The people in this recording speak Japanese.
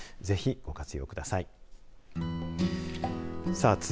ぜひ、ご活用ください。